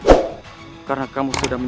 jika dengarkan r pokémon